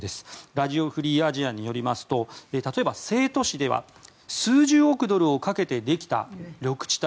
ラジオ・フリー・アジアによりますと例えば成都市では数十億ドルをかけてできた緑地帯